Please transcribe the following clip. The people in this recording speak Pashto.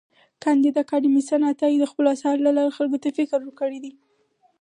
کانديد اکاډميسن عطايي د خپلو اثارو له لارې خلکو ته فکر ورکړی دی.